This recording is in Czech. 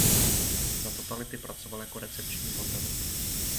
Za totality pracoval jako recepční v hotelu.